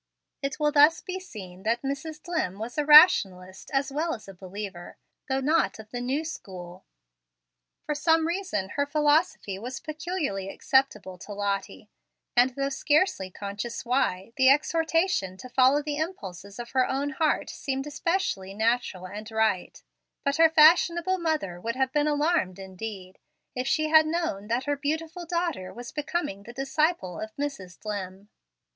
It will thus be seen that Mrs. Dlimm was a rationalist as well as a believer, though not of the new school. For some reason, her philosophy was peculiarly acceptable to Lottie, and, though scarcely conscious why, the exhortation to follow the impulses of her own heart seemed especially natural and right; but her fashionable mother would have been alarmed indeed, if she had known that her beautiful daughter was becoming the disciple of Mrs. Dlimm.